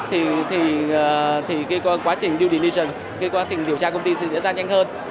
thì cái quá trình due diligence cái quá trình điều tra công ty sẽ diễn ra nhanh hơn